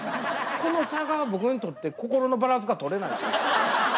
この差が、僕にとって心のバランスが取れないというか。